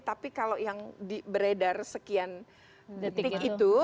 tapi kalau yang beredar sekian detik itu